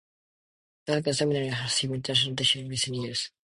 The Halki seminary has received international attention in recent years.